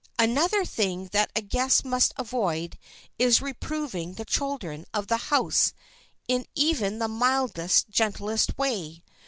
Another thing that a guest must avoid is reproving the children of the house in even the mildest, gentlest way.